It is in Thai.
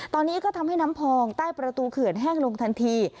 ตอนนี้ก็ทำให้น้ำพองใต้ประตูเขื่อนแห้งลงทันที